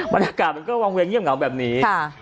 บรรยากาศมันก็วางเวงเงียบเหงาแบบนี้